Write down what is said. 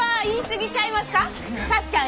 さっちゃん